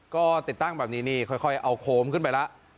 ก็ติดตั้งแบบนี้นี่ค่อยเอาโคมขึ้นไปแล้ว